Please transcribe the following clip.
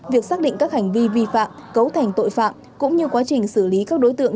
việc xác định các hành vi vi phạm cấu thành tội phạm cũng như quá trình xử lý các đối tượng